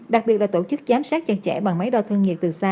đặc biệt là tổ chức giám sát chặt chẽ bằng máy đo thân nhiệt từ xa